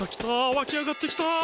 わきあがってきた！